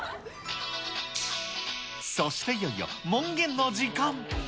そしていよいよ門限の時間。